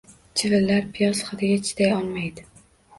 Chivinlar piyoz hidiga chiday olmaydi